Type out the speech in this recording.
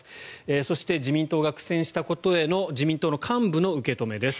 そして自民党が苦戦したことへの自民党の幹部の受け止めです。